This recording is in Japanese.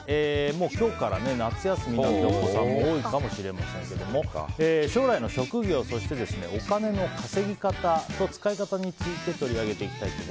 今日から夏休みのお子さんも多いかもしれませんけども将来の職業そして、お金の稼ぎ方と使い方について取り上げます。